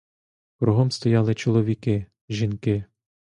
Кругом стояли чоловіки, жінки.